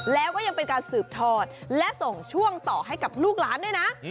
แล้วก็ยังเป็นการสืบทอดและส่งช่วงต่อให้กับลูกหลานด้วยนะ